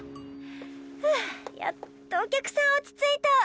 ふぅやっとお客さん落ち着いた。